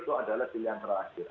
itu adalah pilihan terakhir